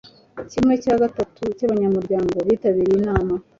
Kimwe cya gatatu cyabanyamuryango bitabiriye inama.